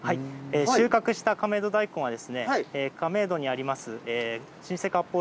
収穫した亀戸大根は、亀戸にあります、老舗かっぽう